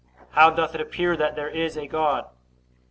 How doth it appear that there is a God?